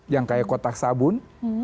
yang kayak kotak sabun